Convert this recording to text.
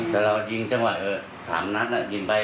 สำหรับเอาที่จะจังหวัด๓หนัดแล้วยิงไป